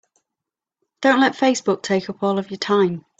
Don't let Facebook take up all of your time.